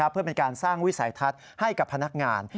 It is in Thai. เพื่อเป็นการสร้างวิสัยทัศน์ให้กับพนักงาน